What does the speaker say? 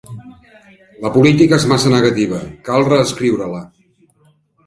La política és massa negativa; cal reescriure-la